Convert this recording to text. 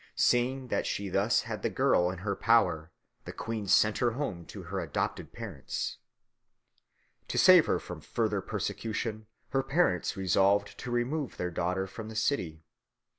Seeing that she thus had the girl in her power, the queen sent her home to her adopted parents. To save her from further persecution her parents resolved to remove their daughter from the city.